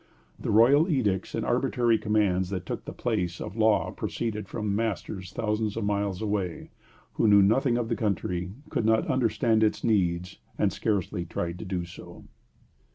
The royal edicts and arbitrary commands that took the place of law proceeded from masters thousands of miles away, who knew nothing of the country, could not understand its needs, and scarcely tried to do so.